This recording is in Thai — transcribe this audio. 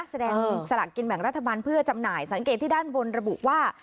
สลักกินแบ่งรัฐบาลเพื่อจำหน่ายสังเกตที่ด้านบนระบุว่า